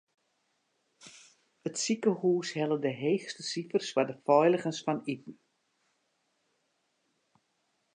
It sikehús helle de heechste sifers foar de feiligens fan iten.